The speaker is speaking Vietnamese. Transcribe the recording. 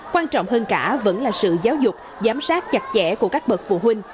quan trọng hơn cả vẫn là sự giáo dục giám sát chặt chẽ của các bậc phụ huynh